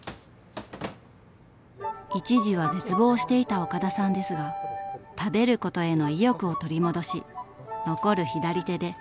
一時は絶望していた岡田さんですが食べることへの意欲を取り戻し残る左手で再び台所に立つようになったのです。